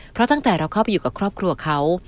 เพราะตั้งแต่เราเข้าไปอยู่กับครอบครัวเขา